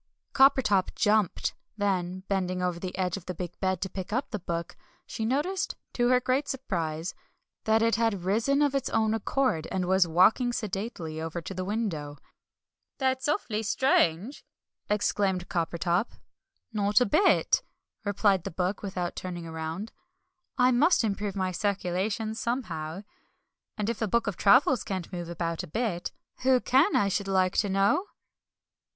Coppertop jumped. Then, bending over the edge of the big bed to pick up the Book, she noticed, to her great surprise, that it had risen of its own accord, and was walking sedately over to the window. "That's awfully strange!" exclaimed Coppertop. [Illustration: "If a Book of Travels can't move about a bit, who can?"] "Not a bit," replied the Book without turning round. "I must improve my circulation somehow! And if a book of travels can't move about a bit, who can, I should like to know?"